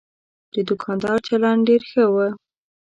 د دوکاندار چلند ډېر ښه و.